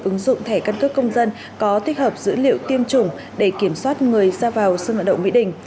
ứng dụng thẻ căn cước công dân có tích hợp dữ liệu tiêm chủng để kiểm soát người ra vào sân vận động mỹ đình